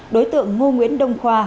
đối tượng ngu nguyễn đông khoa